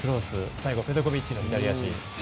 最後、ペトコビッチの左足。